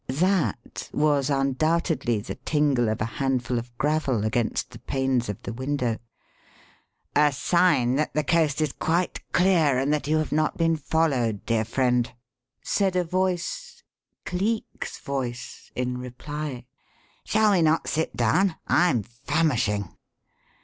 "That" was undoubtedly the tingle of a handful of gravel against the panes of the window. "A sign that the coast is quite clear and that you have not been followed, dear friend," said a voice Cleek's voice in reply. "Shall we not sit down? I'm famishing."